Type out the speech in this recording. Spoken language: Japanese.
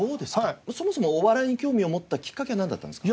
そもそもお笑いに興味を持ったきっかけはなんだったんですか？